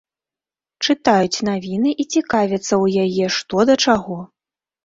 Чытаюць навіны і цікавяцца ў яе што да чаго.